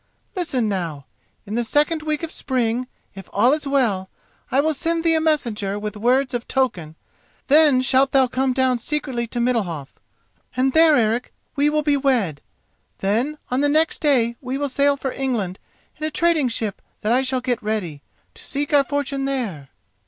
Listen now: in the second week of spring, if all is well, I will send thee a messenger with words of token, then shalt thou come down secretly to Middalhof, and there, Eric, we will be wed. Then, on the next day, we will sail for England in a trading ship that I shall get ready, to seek our fortune there."